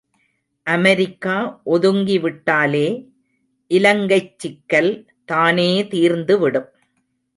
America ஒதுங்கி விட்டாலே இலங்கைச் சிக்கல் தானே தீர்ந்துவிடும்.